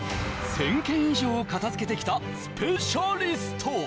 １０００軒以上を片づけてきたスペシャリスト